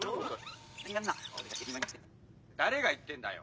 誰が言ってんだよ。